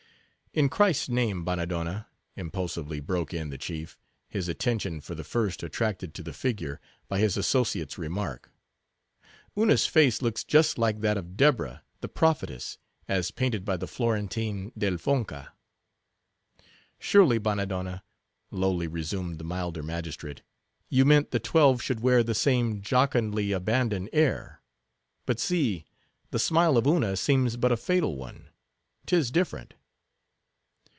"In Christ's name, Bannadonna," impulsively broke in the chief, his attention, for the first attracted to the figure, by his associate's remark, "Una's face looks just like that of Deborah, the prophetess, as painted by the Florentine, Del Fonca." "Surely, Bannadonna," lowly resumed the milder magistrate, "you meant the twelve should wear the same jocundly abandoned air. But see, the smile of Una seems but a fatal one. 'Tis different."